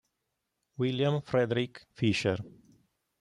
William Frederick Fisher